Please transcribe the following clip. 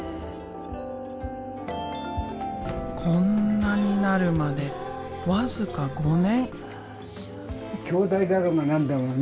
こんなになるまで僅か５年。